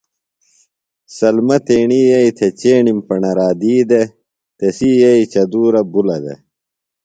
سلمہ تیݨیی یئییۡ تھےۡ چیݨیم پݨرا دی دےۡ تسی ییی چدُور بلہ دے ۔